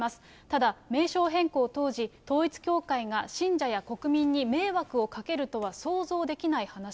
ただ、名称変更当時、統一教会が信者や国民に迷惑をかけるとは、想像できない話。